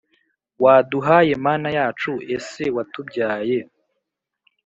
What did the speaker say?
waduhaye Mana yacu ese watubyaye